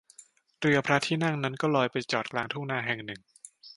เรือพระที่นั่งนั้นก็ลอยไปจอดกลางทุ่งนาแห่งหนึ่ง